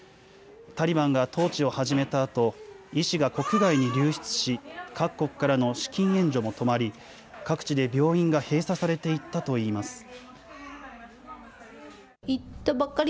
タリバンが統治を始めたあと、医師が国外に流出し、各国からの資金援助も止まり、各地で病院が閉鎖されていったといいます。